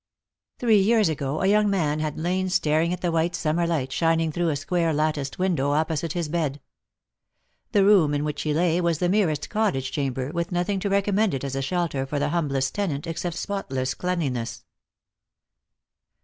Thkee years ago, a young man had lain staring at the white summer light shining through a square latticed window oppo site his bed. The room in which he lay was the merest cottage chamber, with nothing to recommend it as a shelter for the humblest tenant, except spotless cleanliness.